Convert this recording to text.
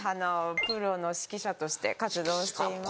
プロの指揮者として活動しています。